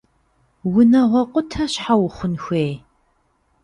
Унагъуэ къутэ щхьэ ухъун хуей?